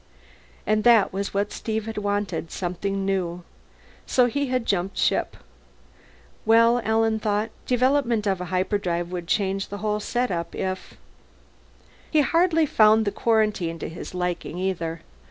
And that was what Steve had wanted: something new. So he had jumped ship. Well, Alan thought, development of a hyperdrive would change the whole setup, if if He hardly found the quarantine to his liking either.